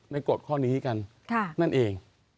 กฎข้อนี้กันนั่นเอง